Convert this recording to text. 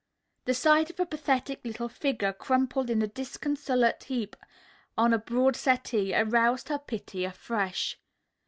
The sight of a pathetic little figure crumpled in a disconsolate heap on a broad settee aroused her pity afresh.